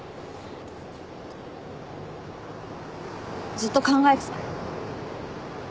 ずっと考えてた。